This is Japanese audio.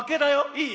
いい？